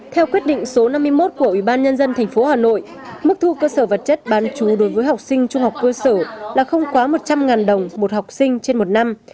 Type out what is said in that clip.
theo quyết định số năm mươi một của ủy ban nhân dân tp hà nội mức thu cơ sở vật chất bán chú đối với học sinh trung học cơ sở là không quá một trăm linh đồng một học sinh trên một năm